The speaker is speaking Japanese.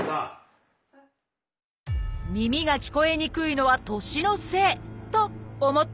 耳が聞こえにくいのは年のせいと思っていませんか？